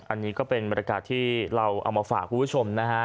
อันนี้ก็เป็นบรรยากาศที่เราเอามาฝากคุณผู้ชมนะฮะ